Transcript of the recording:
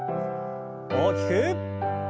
大きく。